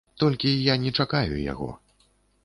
Толькі я не чакаю яго.